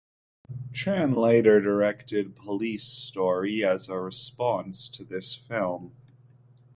Chan later directed "Police Story" as a response to this film.